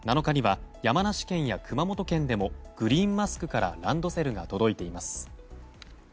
７日には山梨県や熊本県でもグリーンマスクからランドセルが届いています。